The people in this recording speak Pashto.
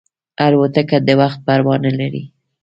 الوتکه د وخت پروا نه لري.